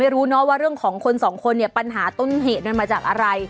เรื่องของคนสองคนเนี่ยปัญหาต้นเหตุนั้นมาจากอะไร